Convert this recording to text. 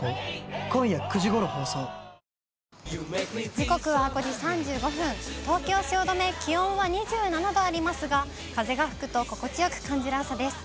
時刻は５時３５分、東京・汐留、気温は２７度ありますが、風が吹くと心地よく感じる朝です。